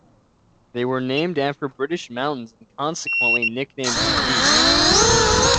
They were named after British mountains, and consequently nicknamed Peaks.